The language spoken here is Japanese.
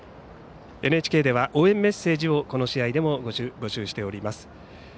ＮＨＫでは応援メッセージをこの試合でも募集しております。